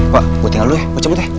pak gua tinggal dulu ya gua cabut ya